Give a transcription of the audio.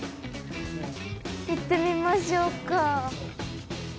行ってみましょうか。